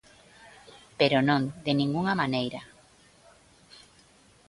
Pero non, de ningunha maneira;